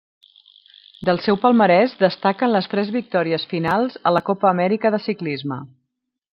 Del seu palmarès destaquen les tres victòries finals a la Copa Amèrica de Ciclisme.